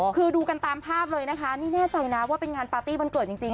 คือดูกันตามภาพเลยนะคะนี่แน่ใจนะว่าเป็นงานปาร์ตี้วันเกิดจริง